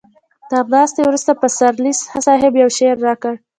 تر ناستې وروسته پسرلي صاحب يو شعر راکړ.